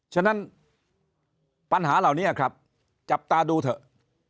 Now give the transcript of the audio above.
ฉะนั้นปัญหาเหล่านี้ครับจับตาดูเถอะ